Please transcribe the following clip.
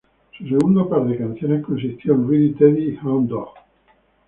Su segundo par de canciones consistió en "Ready Teddy" y "Hound Dog".